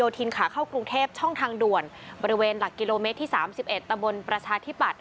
ทางด่วนบริเวณหลักกิโลเมตรที่สามสิบเอ็ดตะบนประชาธิปัตย์